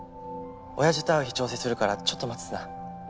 親父と会う日調整するからちょっと待っててな。